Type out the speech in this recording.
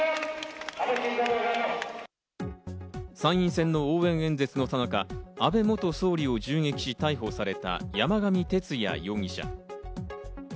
参院選の応援演説のさなか、安倍元総理を銃撃し、逮捕された山上徹也容疑者。